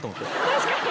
確かに！